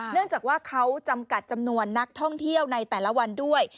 เนื่องจากว่าเขาจำกัดจำนวนนักท่องเที่ยวในแต่ละวันด้วย